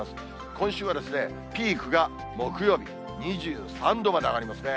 今週は、ピークが木曜日、２３度まで上がりますね。